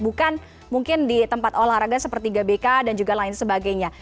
bukan mungkin di tempat olahraga seperti gbk dan juga lain sebagainya